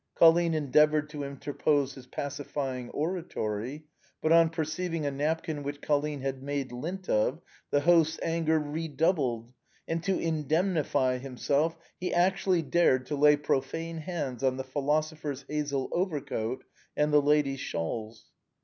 Colline endeavored to inter pose his pacifying oratory; but, on perceiving a napkin which Colline had made lint of, the host's anger redoubled ; and to indemnify himself, he actually dared to lay profane hands on the philosopher's hazel over coat and the ladies' shawls.